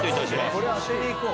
これ当てに行こう。